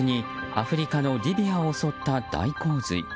アフリカのリビアを襲った大洪水。